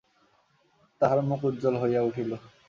তাঁহার মুখ উজ্জ্বল হইয়া উঠিল।